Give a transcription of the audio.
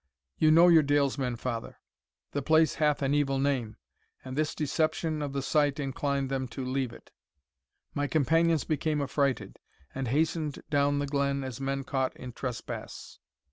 You know your dalesmen, father. The place hath an evil name, and this deception of the sight inclined them to leave it. My companions became affrighted, and hastened down the glen as men caught in trespass.